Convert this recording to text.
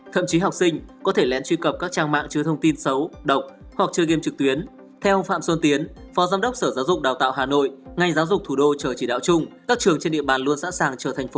thậm chí học sinh có thể lén truy cập các trang mạng chứa thông tin xấu đọc hoặc chơi game trực tuyến